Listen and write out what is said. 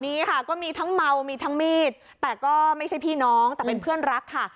นี้ค่ะก็มีทั้งเมามีทั้งมีดแต่ก็ไม่ใช่พี่น้องแต่เป็นเพื่อนรักค่ะ